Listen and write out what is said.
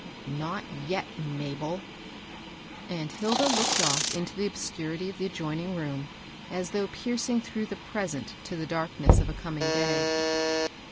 "Not yet, Mabel." And Hilda looked o£P into the obscurity of the adjoining room, as though piercing through the present to the darkness of a coming day.